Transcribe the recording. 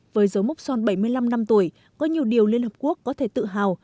với dấu mốc son bảy mươi năm năm tuổi có nhiều điều liên hợp quốc có thể tự hào